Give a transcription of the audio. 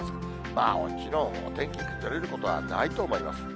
まあもちろんお天気、崩れることはないと思います。